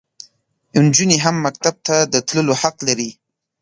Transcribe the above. انجونې هم مکتب ته د تللو حق لري.